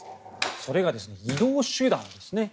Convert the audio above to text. それが移動手段ですね。